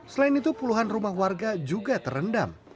selain itu puluhan rumah warga juga terendam